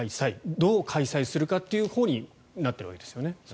どう開催するかというほうになっているということですよね。